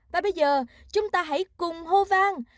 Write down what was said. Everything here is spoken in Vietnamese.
và bây giờ chúng ta hãy cùng hô vang